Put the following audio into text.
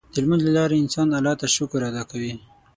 د لمونځ له لارې انسان الله ته شکر ادا کوي.